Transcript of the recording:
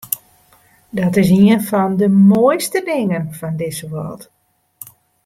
Dat is ien fan de moaiste dingen fan dizze wrâld.